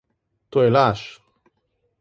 To je laž!